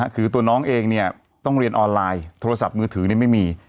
คือตัวน้องเองต้องเรียนออนไลน์โทรศัพท์มือถือไม่มี